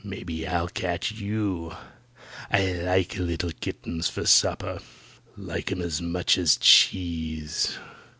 Maybe I'll catch you. I like little kittens for supper. Like 'em as much as cheese."